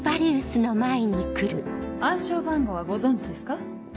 暗証番号はご存じですか？